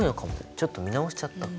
ちょっと見直しちゃった。